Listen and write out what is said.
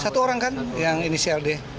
satu orang kan yang inisial d